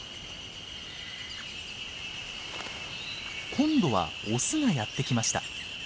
今度はオスがやって来ました。